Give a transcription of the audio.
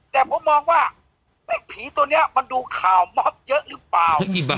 แต่ผมมองว่าแม่งผีตัวเนี้ยมันดูข่าวเยอะหรือเปล่า